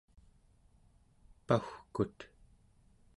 pau͡gkut